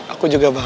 aku juga baik